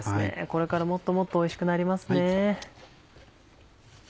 これからもっともっとおいしくなりますね。